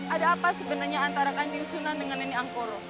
ada apa sebenarnya antara kanjeng sunan dengan nenek angkoro